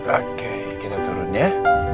oke kita turun ya